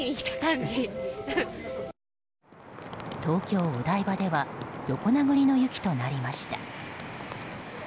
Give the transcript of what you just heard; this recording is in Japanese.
東京・お台場では横殴りの雪となりました。